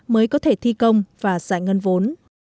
mới có thể thi công và giải ngân vốn